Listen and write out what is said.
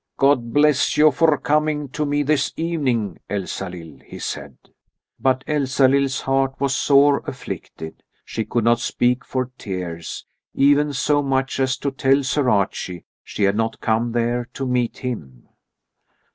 "God bless you for coming to me this evening, Elsalill!" he said. But Elsalill's heart was sore afflicted. She could not speak for tears, even so much as to tell Sir Archie she had not come there to meet him.